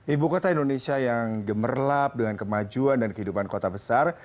ibu kota indonesia yang gemerlap dengan kemajuan dan kehidupan kota besar